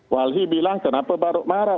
walhi bilang kenapa baru marah